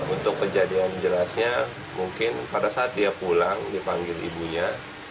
untuk kejadian jelasnya mungkin pada saat dia pulang dipanggil ibunya